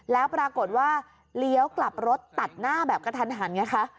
แล้วปรากฏว่าเลี้ยวกลับรถตัดหน้าแบบกระทันหันไงคะ